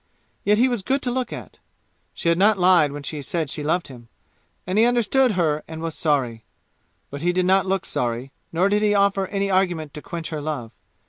Yet he was good to look at. She had not lied when she said she loved him, and he understood her and was sorry. But he did not look sorry, nor did he offer any argument to quench her love.